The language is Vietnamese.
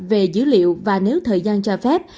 về dữ liệu và nếu thời gian cho phép